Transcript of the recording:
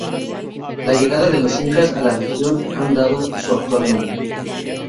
La llegada de los incas a la región le han dado su actual nombre.